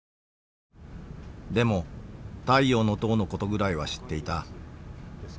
でも太陽の塔のことぐらいは知っていた。